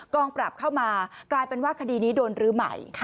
ปรับเข้ามากลายเป็นว่าคดีนี้โดนรื้อใหม่